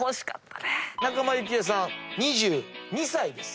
仲間由紀恵さん２２歳です。